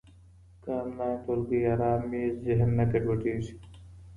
که انلاین ټولګی ارام وي، ذهن نه ګډوډېږي.